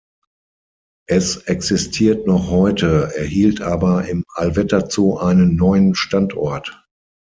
Es existiert noch heute, erhielt aber im Allwetterzoo einen neuen Standort.